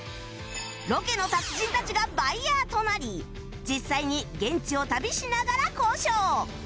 ロケの達人たちがバイヤーとなり実際に現地を旅しながら交渉！